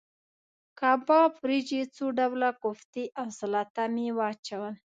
کباب، وریجې، څو ډوله کوفتې او سلاته مې واچول.